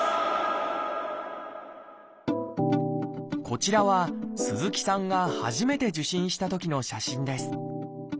こちらは鈴木さんが初めて受診したときの写真です。